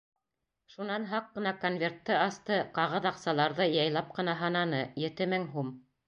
Шунан һаҡ ҡына конвертты асты, ҡағыҙ аҡсаларҙы яйлап ҡына һананы: ете мең һум.